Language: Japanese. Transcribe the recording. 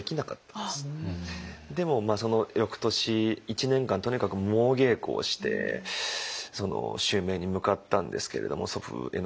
でもその翌年１年間とにかく猛稽古をして襲名に向かったんですけれども祖父への感謝の思いも抱きつつ。